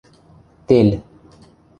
Тел...